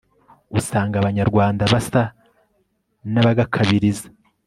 usanga abanyarwandabasa n'abagakabiriza